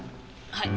はい。